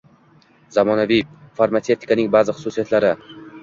Zamonaviy farmatsevtikaning ba’zi xususiyatlari: